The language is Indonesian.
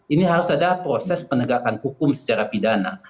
ini harus ada proses penegakan hukum secara pidana